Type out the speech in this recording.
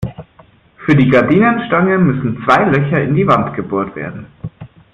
Für die Gardinenstange müssen zwei Löcher in die Wand gebohrt werden.